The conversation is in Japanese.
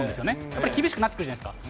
やっぱり厳しくなってくるじゃないですか。